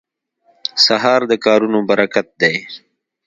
سهار د کارونو برکت دی.